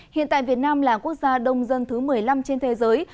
hiện tại việt nam là quốc gia đông dân thứ một mươi năm trên thế giới